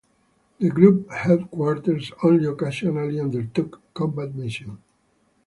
The group headquarters only occasionally undertook combat missions.